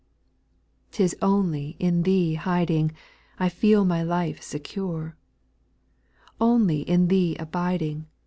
) 2. 'T is only in Thee hiding, I feel my life secure, — Only in Thee abiding.